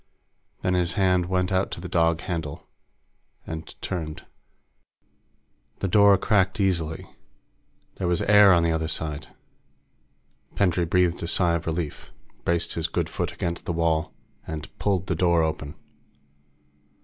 Then his hand went out to the dog handle and turned. The door cracked easily. There was air on the other side. Pendray breathed a sigh of relief, braced his good foot against the wall, and pulled the door open.